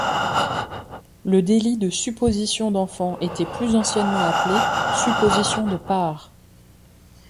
Le délit de supposition d’enfant était plus anciennement appelé supposition de part.